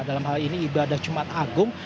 dalam hal ini ibadah jumat agung